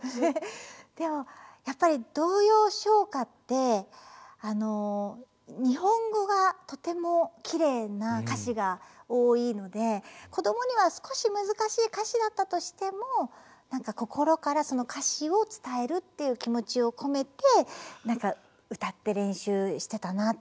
でもやっぱり童謡・唱歌ってあの日本語がとてもきれいな歌詞が多いのでこどもには少し難しい歌詞だったとしても心からその歌詞を伝えるっていう気持ちを込めて歌って練習してたなっていう。